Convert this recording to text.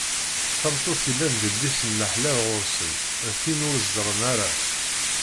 Tameṭṭut yellan d yelli-s n laḥlal ɣur-sen, d tin ur ẓerren ara.